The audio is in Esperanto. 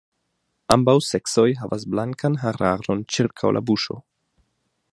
Ambaŭ seksoj havas blankan hararon ĉirkaŭ la buŝo.